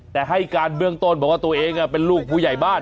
แต่ให้การเบื้องต้นบอกว่าตัวเองเป็นลูกผู้ใหญ่บ้าน